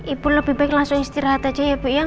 ibu lebih baik langsung istirahat aja ya bu ya